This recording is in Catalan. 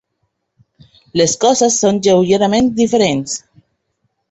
Les coses són lleugerament diferents.